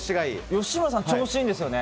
吉村さん調子いいんですよね。